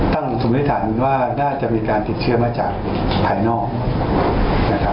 ตั้งสมฤทธิษฐานว่าน่าจะมีการติดเชื้อมาจากภายนอก